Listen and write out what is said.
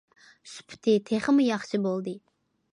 سۈپىتى تېخىمۇ ياخشى بولدى.